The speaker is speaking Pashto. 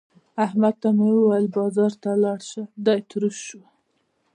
احمد ته مې وويل چې بازار ته ولاړ شه؛ دی تروش شو.